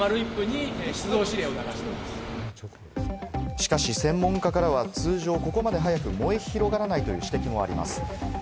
しかし専門家からは、通常、ここまで早く燃え広がらないという指摘もあります。